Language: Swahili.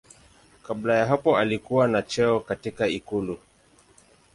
Kabla ya hapo alikuwa na cheo katika ikulu.